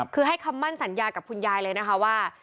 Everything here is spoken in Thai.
คือให้คำมั่นสัญญากับคุณยายเลยนะคะว่า